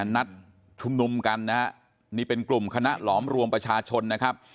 นัดชุมนุมกันนะฮะนี่เป็นกลุ่มคณะหลอมรวมประชาชนนะครับ